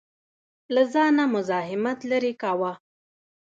له ځانه مزاحمت لرې کاوه.